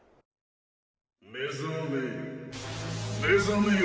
目覚めよ目覚めよ